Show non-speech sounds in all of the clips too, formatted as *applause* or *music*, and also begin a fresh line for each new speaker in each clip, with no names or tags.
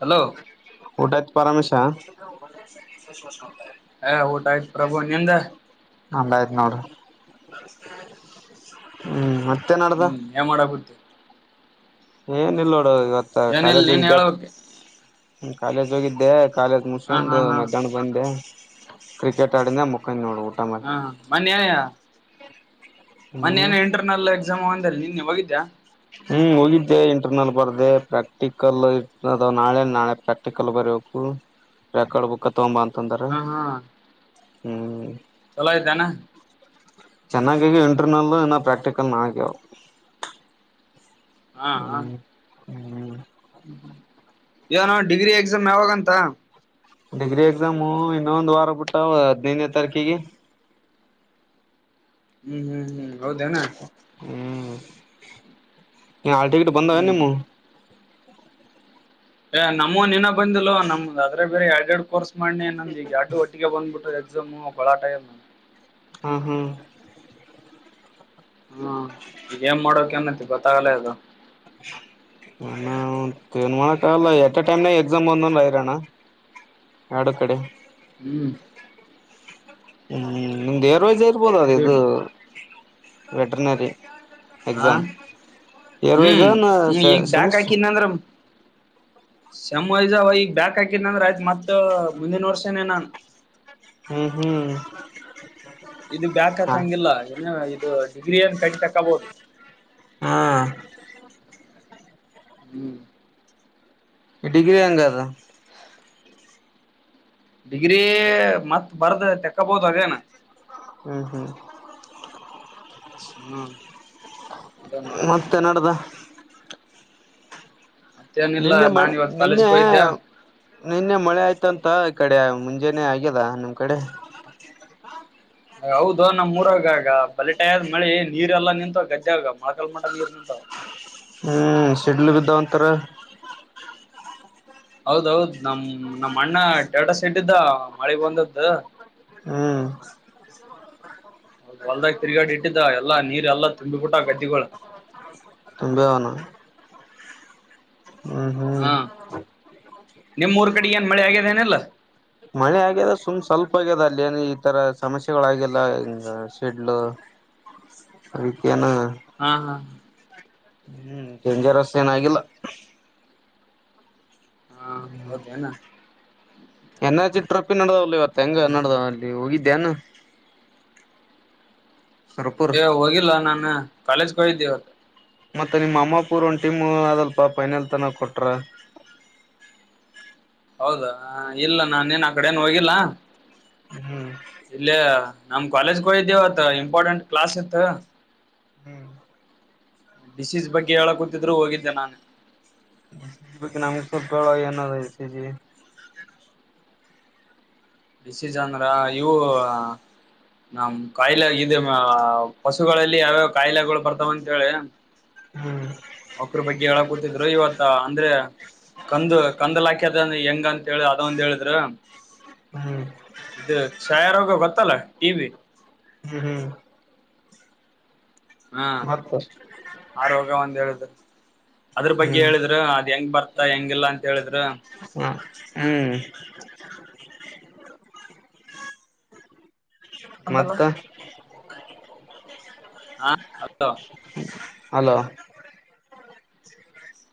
Hello
Paramesh
ಏ ಊಟ ಆಯ್ತು ಪ್ರಭು ನಿಂದ
*unintelligible* ನೋಡು. ಹ್ಮ್ ನಡ್ದ
ಹ್ಮ್ ಏ ಮಾಡಾಕತ್ತೆ?
ಏನ ಇಲ್ ನೋಡ ಇವತ್ತ
ಏನಿಲ್ಲ
ಕಾಲೇಜ್
ನೀನ್
ಹೋಗಿದ್ದೆ
ಹೇಳ್ಬೇಕ
ಕಾಲೇಜ್ ಹೋಗಿದ್ದೆ. ಕಾಲೇಜ್
ಹಾ ಹಾ
ಮುಗ್ಸೊಂದು
ಹಾ
ಮಧ್ಯಾಹ್ನ ಬಂದೆ ಕ್ರಿಕೆಟ್ ಆಡಿನ ಮುಕ್
ಹಾ ಮನ್ನ್ಯಾಯ?
ಹ್ಮ್
ಮೊನ್ನೆೇನ ಇಂಟರ್ನಲ್ ಎಕ್ಸಾಮು ಅಂದಲ್ಲ್ ನಿನ್ನೆ ಹೋಗಿದ್ದ್ಯಾ?
ಹ್ಮ್ ಹೋಗಿದ್ದೆ ಇಂಟರ್ನಲ್ ಬರ್ದೆ ಪ್ರಾಕ್ಟಿಕಲ್ ಇದ ನಾಳೆ ನಾಳೆ ಪ್ರಾಕ್ಟಿಕಲ್ ಬರಿಬೇಕು. ರೆಕಾರ್ಡ್ ಬುಕ್ಕ್ ತಗೊಂಬ ಅಂತಂದಾರ.
ಹಾ ಹಾ
ಹ್ಮ್
ಚಲೋ ಆಯ್ತಾನ.
ಚೆನ್ನಾಗೀ ಇಂಟ್ರರ್ನಲ್ಲು ಇನ್ನ ಪ್ರಾಕ್ಟಿಕಲ್ ನಾಗ್ಯಾವ್.
ಹಾ
ಹ್ಮ್
ಏನೋ ಡಿಗ್ರಿ ಎಕ್ಸಾಮ್ ಯಾವಾಗಂತ?
ಡಿಗ್ರಿ ಎಕ್ಸಾಮು ಇನ್ನೊಂದ್ ವಾರ ಕೊಟ್ಟಾವ ಹದ್ನೈದನೇ ತಾರೀಕಿಗೆ.
ಹ್ಮ್ ಹ್ಮ್ ಹ್ಮ್ ಹೌದೇನಾ?
ಏ ಹಾಲ್ ಟಿಕೆಟು ಬಂದವೆನ್
ಹ್ಮ್
ನಿಮ್ಮು?
ನಮ್ಮವ್ ಇನ್ನ ಬಂದಿಲ್ಲೋ ನಮ್ದ ಅದ್ರೆ ಬೇರೆ ಎರಡ್ ಎರಡ್ ಕೋರ್ಸ್ ಮಣ್ಣೆ ನಂದು ಈಗ ಎರ್ಡು ಒಟ್ಟಿಗೆ ಬಂದ್ಬಿಟ್ಟು ಎಕ್ಸಾಮ್ ಗೋಳಾಟ ಆಗೖತ.
ಹ್ಮ ಹ್ಮ
ಹ್ಮ್ ಈಗ ನ್ ಮಾಡೋಕೇನತಿ ಗೊತ್ತಾಗಲ್ಲ ಅದು.
ಹ ತ ಏನ್ಮಾಡಕಾಲ್ಲ ಎಟ್ ಎ ಟೖಮ್ನಾಗ್ ಎಕ್ಸಾಮ್ *unintelligible* ಎರಡು ಕಡೆ.
ಹ್ಮ್
ಹ್ಮ್ ನಿಮ್ದೇ ರೋಜ ಇರ್ಬೋದ ಅ್ರ ಇದು
ದುಡ್
ವೆಟ್ರನರಿ.
ಹಾ
ಎಕ್ಸಾಮ್ ಇಯರ್
ಹ್ಮ್
ವೈಜನ ಸ ಸೆಮಿಸ್ಟ್ರ.
ಸೆಮ್ವೖಜನ್ ಅವ ಈಗ ಬ್ಯಾಕ್ ಹಾಕಿದ ಅಂದ್ರೆ ಆಯ್ತತ್ ಮತ್ತ ಮುಂದಿನ ವರ್ಷನೇ ನಾನ್.
ಹ್ಮ್ ಹ್ಮ್
ಇದು ಬ್ಯಾಕ್
ಹ
ಹಾಕಂಗಿಲ್ಲ ಏನ ಇದು ಡಿಗ್ರಿ ಏನ್ ಕಟ್ಟ ತಕಬಹುದು.
ಹಾ
ಹ್ಮ್ *inaudible*
ಡಿಗ್ರಿ ಹೆಂಗದು.
ಡಿಗ್ರಿ ಮತ್ ಬರ್ದ ತಕ್ಕಬೋದು ಅದೇನ
ಹ್ಮ್ ಹ್ಮ್
ಹ್ಮ್ ಇಲ್ಲ ನೋಡಿ.
ಮತ್ತೆ ನಡ್ದ
ಮತ್ತೇನಿಲ್ಲ
ನಿನ್ನೆ ಮಳೆ
ನಾನ್ ಇವತ್
ನಿನ್ನೆ
ಕಾಲೇಜ್ಗೆ ಹೋಗಿದ್ದೆ
ನಿನ್ನೆ ಮಳೆ ಆಯ್ತಂತ ಈ ಕಡೆ. ಮುಂಜಾನೆ ಆಗ್ಯದ ನಿಮ್ ಕಡೆ?
ಹೌದು ನಮ್ಮೂರಾಗ್ ಆಗ ಬಲೆಟಾಯ್ ಮಳಿ ನೀರ್ ಎಲ್ಲಾ ನಿಂತವ ಗದ್ಯಾಗ ಮೊಳಕಲ್ ಮಟ ನೀರ್ ನಿಂತವ.
ಹ್ಮ್ ಸಿಡ್ಲು ಬಿದ್ದಾವ ಅಂತಾರ.
ಹೌದೌದ್ ನಮ್ ನಮ್ಮಣ್ಣ ಸ್ಟೇಟಸಿಟ್ಟಿದ್ದ ಮಳೆ ಬಂದದ್ದ.
ಹ್ಮ್
ಹೊಲ್ದಾಗ ತಿರುಗಾಡಿ ಇಟ್ಟಿದ್ದ ಎಲ್ಲಾ ನೀರ್ ಎಲ್ಲಾ ತುಂಬಿಬಿಟ್ಟ ಗದ್ದಿಗಳು.
ತುಂಬ್ಯಾವನು. ಹ್ಮ್ ಹ್ಮ್
ನಿಮ್ಮೂರ್ ಕಡೆ ಏನ್ ಮಳೆ ಆಗ್ಯದೇನಿಲ್ಲೋ?
ಮಳೆ ಆಗ್ಯದ ಸುಮ್ ಸ್ವಲ್ಪ ಆಗ್ಯದ ಅಲ್ಲಿ ಏನ ಈ ತರ ಸಮಸ್ಯೆಗಳಾಗಿಲ್ಲ ಹಂಗ ಶಿಡ್ಲು. ಅದಕ್ಕೆನ
ಹಾ ಹಾ
ಹ್ಮ್ ಡೇಂಜರಸ್ ಏನಾಗಿಲ್ಲ.
ಹಾ ಹೌದ ಏನಾ
ಎನ್ಚಿ ಟ್ರಪ್ಪಿ ನಡ್ದವಲ್ಲ ಇವತ್ತು ಹೆಂಗ
ಹ್ಮ್
ನಡ್ದ
ಹ್ಮ್
ಅಲ್ಲಿ ಹೋಗಿದ್ದೆನ. ಸುರಪುರ್
ಏ ಹೋಗಿಲ್ಲ ನಾನ ಕಾಲೇಜ್ ಹೊಗಿದ್ದೆ ಇವತ್ತು.
ಮತ್ತೆ ನಿಮ್ಮ ಅಮ್ಮ ಪೂರು ಒಂದ್ ಟೀಮ್ ಅದಲ್ಪ ಫೈನಲ್ ತನ ಕೊಟ್ರ. *inaudible*
ಹೌದಾ ಇಲ್ಲ ನಾನೇನ್ ಆ ಕಡೆನು ಹೋಗಿಲ್ಲ
ಹ್ಮ್
ಇಲ್ಲೆ. ನಮ್ ಕಾಲೇಜ್ಗ ಇದಿದ್ದೇವತ್ ಇಂಪಾರ್ಟೆಂಟ್ ಕ್ಲಾಸ್ ಇತ್ತ.
ಹ್ಮ್
ಡಶೀಸ್ ಬಗ್ಗೆ ಹೇಳ ಕೂತಿದ್ರು ಹೋಗಿದ್ದೆ ನಾನು.
*unintelligible* *inaudible*
ಇ ಸಿ ಜಿ ಅಂದ್ರ ಇವು. ನಮ್ ಕಾಯಿಲೆ ಇ ಪಶುಗಳಲ್ಲಿ ಯಾವ್ಯಾವ ಕಾಯಿಲೆಗಳು ಬರ್ತಾವಂತ ಹೇಳಿ.
ಹ್ಮ
ಅವಕ್ಕ್ರ ಬಗ್ಗೆ ಹೇಳ ಕೂತಿದ್ರು ಇವತ್ತ ಅಂದ್ರೆ. ಕಂದು ಕಂದಲ ಹಾಕ್ಯ ಅದ ಹೆಂಗಂತ ಹೇಳಿ ಅದ ಒಂದ ಹೇಳಿದ್ರ.
ಹ್ಮ್
ಇದು ಕ್ಷಾಯಾರೋಗ ಗೊತ್ತಲ್ಲ ಟಿ ಬಿ.
ಹ್ಮ್ ಹ್ಮ್
ಹ್ಮ್
ಮತ್ತ
ಆ ರೋಗ ಒಂದ ಹೇಳಿದ್ರು. ಅದ್ರ ಬಗ್ಗೆ
ಹ್ಮ್
ಹೇಳಿದ್ರು ಅದ್ ಹೆಂಗ್ ಬರ್ತ ಹೆಂಗಿಲ್ಲ ಅಂತ ಹೇಳಿದ್ರ.
ಹ ಹ್ಮ್ *inaudible* ಮತ್ತ
ಹಾ ಅತ್ತೊ.
ಹಲೋ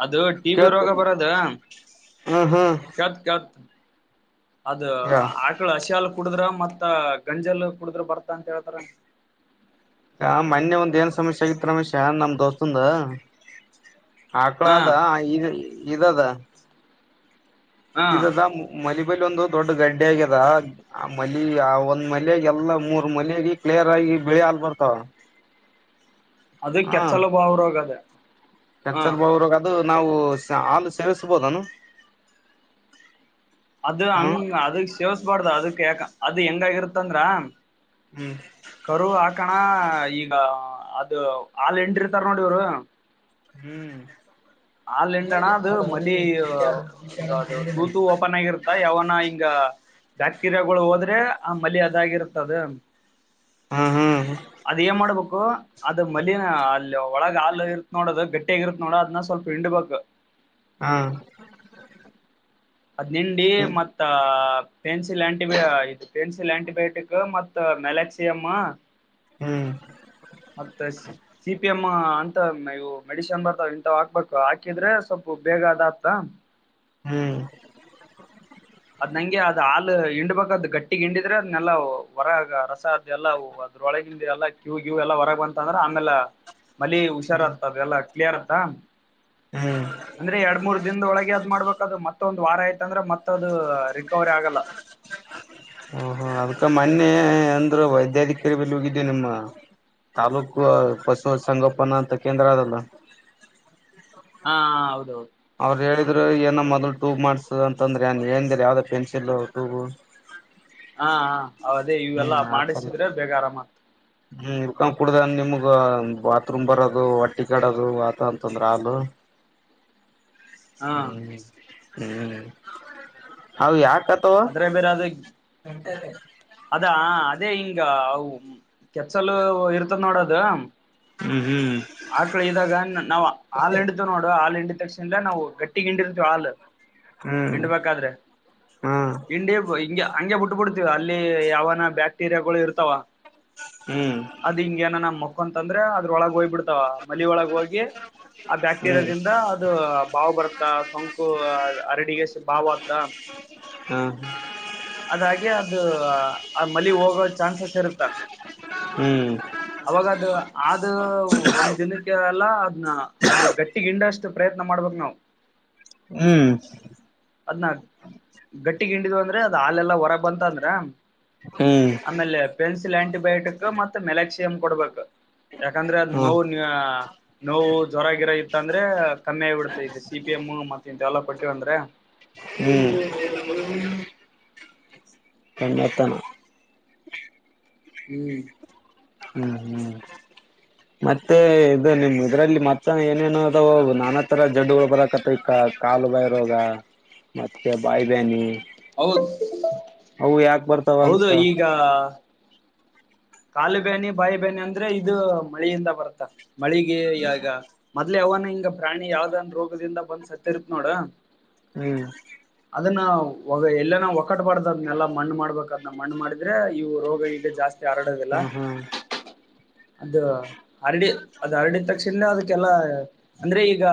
ಅದು ಟಿ ಬಿ ರೋಗ
ಕೇಳ್ತಿಲ್
ಬರೋದ
ಹ್ಮ್ ಹ್ಮ್
ಕಳ್ತ್ ಕಳ್ತ್. ಅದ
ಹೇಳ
ಆಕಳ ಹಶಿಹಾಲ್ ಕುಡುದ್ರ ಮತ್ತ ಗಂಜಲ್ ಕುಡಿದ್ರ ಬರ್ತಾ ಅಂತ ಹೇಳ್ತಾರ.
ಆ ಮೊನ್ನೆ ಒಂದ್ ಏನ್ ಸಮಸ್ಯೆ ಆಗಿತ್ತು ರಮೇಶ ನಮ್ ದೋಸ್ತಂದ. ಹಕ್ಳ
ಹ
ಅದ ಇ ಇದ ಅದ.
ಹ
ಇದದ ಮಲಿಮ್ ಮೊಬೈಲ್ ಒಂದು ದೊಡ್ಡ ಗಡ್ಡೆ ಆಗಿದೆ ಆ ಮಲಿ ಆ ಒಂದ್ ಮಲಗೆ ಎಲ್ಲ ಮೂರ್ ಮಲಗೆ ಕ್ಲಿಯರ್ ಆಗಿ. ಈ ಬಿಳೆ ಹಾಲ್ ಬರ್ತಾವ.
ಅದು ಕೆಚ್ಚಲು ಬಾವರೋಗ ಅದ. ಹ
ಎಚ್ಚಲ್ ಬ್ರಾಗ ಅದು ನಾವು ಹಾಲು ಸೇವಿಸ್ಬೋದೆನು.
ಅದ ಹಂಗ ಅದ ಶೇವಸ್ಬಾರ್ದ ಅದಕ್ ಯಾಕ ಅದ್ ಹೆಂಗಗರುತ್ತಂದ್ರ.
ಹ್ಮ್
ಕರು ಹಾಕಣ ಈಗ ಅದು ಹಾಲ್ ಇಟ್ಟಿರ್ತಾರ ನೋಡ್ರಿ.
ಹ್ಮ್
ಹಾಲ್ಂಡಣ್ಣ ಅದು ಮಲ್ಲಿ. ಅದು ತೂತು ಓಪನ್ ಆಗಿರುತ್ತ ಯಾವನ ಹಿಂಗ ಬ್ಯಾಕ್ಟೀರಿಯಾಗಳ ಹೋದ್ರೆ. ಆ ಮಲಿ ಅದಾಗಿರುತ್ತದ ಅದ.
ಹ್ಮ ಹ್ಮ್
ಅದು ಮಲಿನ ಅಲ್ಲಿ ಒಳಗ ಹಾಲು ಇರುತ್ತತ್ ನೋಡದು ಗಟ್ಟಿಗಿ ಇರುತ್ ನೋಡ ಅದನ್ನ ಸ್ವಲ್ಪ. ಹಿಂಡ್ಬೆಕ್
ಹಾ
ಅದ್ನ್ ಹಿಂಡಿ ಮತ್ತ. ಪೆನ್ಸಿಲ್ ಆಂಟಿ ಇದು ಪೆನ್ಸಿಲ್ ಆಂಟಿಬಯೋಟಿಕ್ ಮತ್ತ ಮೆಲಕ್ಸಿಯಂ.
ಹ್ಮ್
ಮತ್ತೆ ಸಿ ಪಿ ಎಂ ಮ್ಮ ಅಂತ ಇವು ಮೆಡಶನ್ ಬರ್ತಾವ ಇಂಥ ಹಾಕ್ಬೇಕು ಹಾಕಿದ್ರೆ ಸ್ವಲ್ಪ ಬೇಗ ಅದ್ ಆತ.
ಹ್ಮ್
ಅದ್ ನಂಗೆ ಅ್ ಹಾಲು ಹಿಂಡ್ಬೇಕಾದ ಗಟ್ಟಿಗ್ ಹಿಂಡಿದ್ರೆ ಅದ್ನ್ನೆಲ್ಲ ಹೊರಗ ರಸ ಅ ಎಲ್ಲಾ. ಅದ್ರೊಳಗಿಂದ ಎಲ್ಲ ಕ್ಯವು ಗ್ಯೂ್ ಎಲ್ಲ ಹೊರಗೆ ಬಂತ ಅಂದ್ರೆ ಆಮೇಲ. ಮಲಿ
ಹ್ಮ್
ಹುಷಾರತ್ತ ಅದೆಲ್ಲಾ ಕ್ಲಿಯರ್ ಆತಾ.
ಹ್ಮ್
ಅಂದ್ರೆ ಎರಡ್ ಮೂರ್ ದಿನದೊಳಗೆ ಅದ್ ಮಾಡ್ಬೇಕದು ಮತ್ತೊ ಒಂದು ವಾರ ಆಯ್ತ ಅಂದ್ರೆ ಮತ್ತ ಅದು ರಿಕವರಿ ಆಗಲ್ಲ.
ಹಹ ಅದ್ಕ ಮೊನ್ನೆ ಅಂದ್ರ ವೈದ್ಯಾಧಿಕಾರಿ ಬೆಲ್ಲಿ ಹೋಗಿದವಿ ನಿಮ್ಮ. ತಾಲೂಕ ಪಶು ಸಂಗೋಪನಾಂತ ಕೇಂದ್ರಲ್ಲ.
ಹಾ ಹೌದೌದು.
ಅವ್ರು ಹೇಳಿದ್ರು ಏನ ಮೊದಲು ಟೂಗ ಮಾಡ್ಸದ ಅಂತಂದ್ರೆ ಅನ್ ಏನ್್ದಿರ ಯಾವ್ದ ಪೆನ್ಸಿಲ್ ಟೂಗು.
ಹಾ ಹದೇ ಇವೆಲ್ಲ
ಆ ಸರಿ
ಮಾಡಿಸಿದ್ರೆ ಬೇಗ ಆರಾಮತ್.
ಹ್ಮ್ ಉರ್ಕೊಂಡ್ ಕುಡ್ದ ನಿಮಗ ಬಾತ್ರೂಮ್ ಬರದು ಒಟ್ಟಿ ಕಡೋದು ಆತ ಅಂತಂದ್ರ ಹಾಲು.
ಹಾ
ಹ್ಮ ಹ್ಮ್ ಹೌ ಯ.
ಅದ್ರೆ ಬೇರೆ ಅದು ಅದಾ. ಅದೇ ಹಿಂಗ ಅ ಕೆತ್ಸಲು ಇರ್ತದ ನೋಡದ.
ಹ್ಮ್
ಆ ಕಳ ಇದಾಗ ನಾವು ಹಾಲ್ ಹಿಂಡಿತು ನೋಡು ಹಾಲ್ ಹಿಂಡಿದ ತಕ್ಷಣ ನಾವು ಗಟ್ಟಿ. ಗಿಂಡಿರ್ತವಿ ಹಾಲ್
ಹ್ಮ್
ಹಿಂಡ ಬಾದ್ರೆ ಗಿಂಡಿ ಹಿಂಗ. ಹಂಗೆ ಬಿಟ್ ಬಿಡ್ತವ ಅಲ್ಲಿ ಯಾವನ ಬ್ಯಾಕ್ಟೀರಿಯಾಗಳಗಳು ಇರ್ತಾವ.
ಹ್ಮ್.
ಹಂತಂದ್ರೆ ಅದ್ರೊಳಗ ಹೋಗ್ ಬಿಿಡ್ತಾವ ಮಲಿ ಒಳಗ ಹೋಗಿ. ಆ
ಹ್ಮ್ ಹ್ಮ್
ಬ್ಯಾಕ್ಟೀರಿಯಾದಿಂದ ಅದು ಬಾವು್ ಬರ್ತಾ ಸೋಂಕು ಅರಡಿಗೆ. ಭಾವದಾ.
ಹ್ಮ ಹ.
ಅದಾಗೆ ಅದು ಆ ಮಲಿ ಹೋಗೋ ಚಾನ್ಸಸ್ ಇರುತ್ತ.
ಹ್ಮ್
ಅವಾಗದು ಆದ ಒಂದ್ ದಿನಕ್ಕೆ. ಅದ್ನ ಅದು ಗಟ್ಟಿ ಗಿಂಡಷ್ಟು ಪ್ರಯತ್ನ ಮಾಡ್ಬಕ್ ನಾವವು.
ಹ್ಮ್.
ಅದ್ನ ಗಟ್ಟಿ ಹಿಂಡಿದ್ ಅಂದ್ರೆ ಅದ್ ಹಾಲೆಲ್ಲಾ ಹೊರ ಬಂತ ಅಂದ್ರ.
ಹ್ಮ್
ಆಮೇಲೆ ಪೆನ್ಸಿಲ್ ಆಂಟಿಬಯೋಟಿಕ್ ಮತ್ತೆ ಮೆಲಕ್ಸಿಯಂ್ ಕೊಡ್ಬೇಕು. ಯಾಕಂದ್ರೆ ಅದ
ಹಾ
ನೋವು ನೋವು ಜ್ವರಾಗಿಿರ ಇತ್ತ ಅಂದ್ರೆ ಕಮ್ಮಿ ಆಗಿಬಿಡ್ತ ಬಿಸಿ. ಎಂ ಮೂಂಗ ಮತ್ತ ಇಂತಲಪಟ್ಟಿ ಅಂದ್ರೆ.
ಹ್ಮ್. ಕತನ.
ಹ್ಮ್.
ಹ್ಮ್ ಹ್ಮ್. ಮತ್ತೆ ಇದು ನಿಮ್ ಇದ್ರಲ್ಲಿ ಮತ್ತ ಏನೇನು ಅದ ನಾನಾ ತರ ಜಡ್ಗಳು ಬರಕತ್ತ ಈಕ್ಕ. ಕಾಲು ಬೈರೋಗ ಮತ್ತೆ ಬಾಯಿಬಾನಿ.
ಹೌದ್
ಅವು ಯಾಕೆ ಬರ್ತಾವ
ಹೌದು
ಅಂತ.
ಈಗ ಕಾಲು ಬಾನಿ ಬಾಯಿ ಬೇಾನಿ ಅಂದ್ರೆ ಇದು ಮಳೆಯಿಂದ ಬರ್ತ್ತ. ಮಳಿಗೆಯಾಗ ಮೊ್ಲೆ ಅವನ ಹಿಂಗ ಪ್ರಾಣಿ ಯಾವ್ದನ್ ರೋಗದಿಂದ ಬಂದ ಸತ್ತರುತ್ ನೋಡ.
ಹ್ಮ್.
ಅದನ್ನ ಒ ಎಲ್ಲನ ಒಕ್ಕಟ್ಟಬಾರ್ದ ಅದ್ನ್ನೆಲ್ಲ ಮಣ್ಣು ಮಾಡ್ಬೇಕಾದ್ನ್ನ ಮಣ್ಣು ಮಾಡಿದ್ರೆ ಇವು ರೋಗ ಹಗ ಜಾಸ್ತಿ. ಯಾರಡುದಿಲ್ಲ.
ಹ್ಮ್
ಅದು ಹರಡಿ ಅದ ಹರಡಿದ ತಕ್ಷನ ಅದಕ್ಕೆಲ್ಲ ಅಂದ್ರೆ ಈಗ.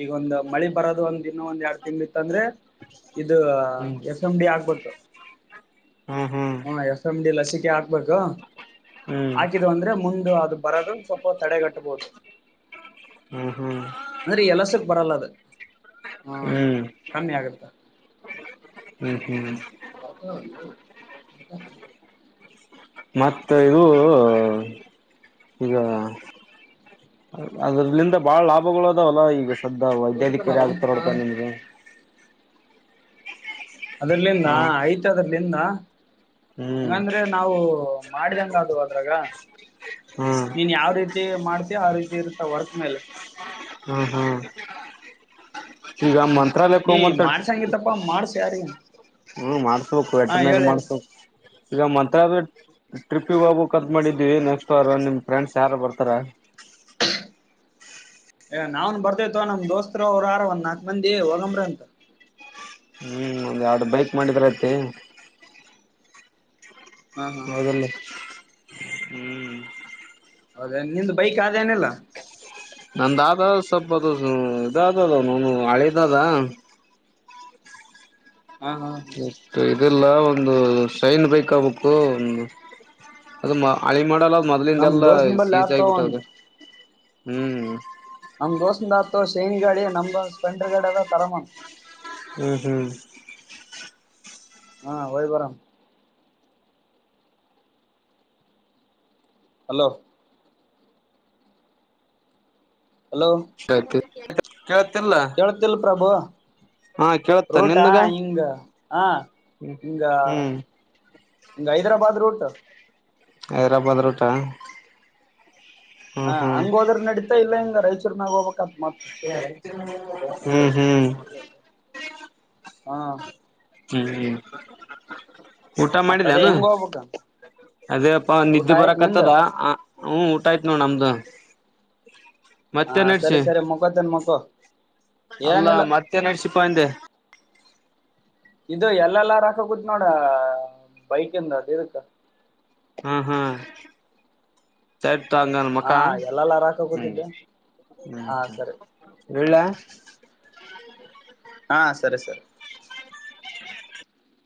ಈಗ ಒಂದ್ ಮಳಿ ಬರೋದ ಒಂದ್ ದಿನ ಒಂದ್ ಎರಡ್ ತಿಂಗಳ ಇತ್ತ ಅಂದ್ರೆ ಇದು
ಹ್ಮ್
ಎಫ್ ಎಮ್ ಡಿ ಆಕ್ಬೇಕು
ಹ್ಮ್ ಹ್ಮ್
ಹ ಎಫ್ ಎಂ ಡಿ ಲಸಿಕೆ. ಹಾಕ್ಬೇಕು
ಹ್ಮ್
ಹಾಕಿದ ಅಂದ್ರೆ ಮುಂದ ಅದು ಬರದು. ಪ್ಪ ತಡೆ ಕಟ್ಟಬೋುದು
ಹ್ಮ್ ಹ್ಮ್ ಹ್ಮ್
ಅಂದ್ರೆ ಎಲಸಕ್ ಬರಲ್ಲ ಅದ. ಹ್ಮ
ಹ್ಮ್
ಕಮ್ಮಿ ಆಗತ್ತಾ. ಹ್ಮ್.
ಮತ್ತ ಇದು. ಈಗ ಅದ್ರಲಿಂದ ಬಾಳ ಲಾಭಗಳು ಅದಾವಲ್ಲ ಈಗ ಸದ್ದ ವೈದ್ಯಾಧಿಕಾರಿ ಆಗ ತರೋಡ್ತ ನಿಮ್ಗೆ.
ಅದರ್ಲಿಂದ
ಹ್ಮ
ಆಯ್ತ ಅದರ್ಲಿಂದ.
ಹ್ಮ್
ಹೆಂಗಂದ್ರೆ ನಾವು ಮಾಡಿದಂಗ ಅದು ಅದ್ರಾಗ.
ಹ್ಮ್
ನೀನ್ ಯಾವ ರೀತಿ ಮಾಡ್ತೀಯ ಆ ರೀತಿ ಇರ್ತ ವರ್ಕ್ ಮೇಲೆ
ಹಾ ಹಾ ಈಗ ಮಂತ್ರಾಲಯ ಕೊಮಂತ
ಚಾರಿ
ಹ್ಮ ಮಾಡ್ಸ್ಬೇಕು ವೇಟಿನರಿ ಮಾಡ್ಸ್ಬೇಕು ಈಗ ಮತ ಅದು ಟ್ರಿಪ್ಪಿಗೆ ಹೋಗ್ಬೇಕಂತ ಮಾಡಿದ್ವಿ ನೆಕ್ಸ್ಟ ವಾರ ನಿಮ್ ಫ್ರೆಂಡ್ಸ್ ಯಾರು ಬರ್ತಾರಾ
ಏ ನಾವ್ನ್ ಬರ್ದೇತವ ನಮ್ ದೋಸ್ತತ್ರ ಅವರು ಯಾರ ಒಂದ್ ನಾಕ್ ಮಂದಿ ಹೋಗಂಬರೊ ಅಂತ
ಹ್ಮ್ ಒಂದ್ ಎರಡ್ ಬೈಕ್ ಮಾಡಿದ್ರತೆ
ಹ ಹಾ
ಹೌದಲ್ಲ ಹ್ಮ್
ಹೌದೇನ ನಿಂದ್ ಬೈಕ್ ಆದ ಏನೆಲ್ಲ
ನಂದಾದ ಸ್ವಲ್ಪ ಅದು ಇದಾದ ಅದು ನು ಹಳೆದಾದ
ಹಾ ಹಾ ಹಾ
ಲ್ಲ ಒಂದು ಸೈನ್ ಬೈಕ್ ಆಬೇಕು ಅದು ಅಳಿ ಮಾಡಲ್ಲ
ನಮ್
ಮೊದ್ಲಿಂದೆಲ್ಲಾ
ದೋಸ್ತನ್ ಬಲ್ಲಿ
ಸೀಜ
ಆತೋ ಒಂದ್
ಆಗಬಿಟ್ಟದ ಹ್ಮ್
ನಮ್ ದೋಸ್ತನದಾತೋ ಶೈನಿ ಗಾಡಿ ನಮ್ದೊ ಸ್ಪಲೆಂಡರ್ ಗಾಡಿ ಅದ ತರಮನ್
ಹ್ಮ್ ಹ್ಮ್
ಹಾ ಹೋಗಿ ಬರಮ್ ಹಲೋ ಹಲೋ
ಶಾತ್
ಕೇಳ್ತಿಲ್ ಪ್ರಭು
ಹಾ ಕೇಳತ್ತ
ರೋಟಾ
ನಿನ್ಗ
ಹಿಂಗ ಹಾ ಹಿಂಗ
ಹ್ಮ್
ಹೈದರಾಬಾದ್ ರೂಟು
ಹೈರಾಬಾದ್ ರೂಟಾ
ಹ ಹಂಗ ಹೋದ್ರೆ ನಡಿತಾ ಇಲ್ಲ ಹಿಂಗ ರಾಯಚೂರ್ ನಾಗ ಹೋಗಬೇಕಾತ್
ಹ್ಮ್ ಹ್ಮ್
ಹಾ
ಹ್ಮ್ ಹ್ಮ್ ಊಟ
ಮತ್ ಅದೇ
ಮಾಡಿದೇನು
ಹೆಂಗ ಹೋಗ್ಬೇಕ
ಅದೇಪ್ಪ
ಊಟ
ನಿದ್ದೆ
ಆಯ್ತ್ ನಿಂದ
ಬರಕ್ತ್ತದ ಅಂ ಹ್ಮ ಊಟ ಆಯ್ತ್ ನೋಡ್ ನಮ್ದು
ಹ
ಮತ್ತೆ
ಸರಿ
ನಡ್ಸಿ
ಸರಿ ಮಕ್ಕೋತೇನ್ ಮಕ್ಕೋ
ಅಲ್ಲ
ಏನಿಲ್ಲ
ಮತ್ತೆ ನಡ್ಸಿಪ್ಪಂದೆ
ಇದು ಎಲ್ ಎಲ್ ಆರ್ ರಾಕೋಗುತ್ ನೋಡ್ ಬೈಕಿಂದು ಅದು *unintelligible*
ಹಾ ಹಾ ಚಾರ್ ತನ್ ನನ್
ಹಾ
ಮಕ್ಕಾ
ಎಲ್ಲೆಲ್ಲಾರ ಹಾಕ
ಹ್ಮ
ಕೂತಿದ್ದೆ
ಹ್ಮ
ಹಾ ಸರಿ
ಇಡ್ಲ್ಯಾ
ಹಾ ಸರಿ ಸರಿ
*inaudible*